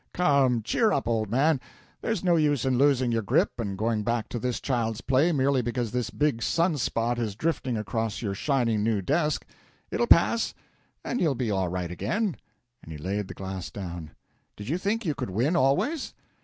"Come, cheer up, old man; there's no use in losing your grip and going back to this child's play merely because this big sunspot is drifting across your shiny new disk. It'll pass, and you'll be all right again," and he laid the glass down. "Did you think you could win always?"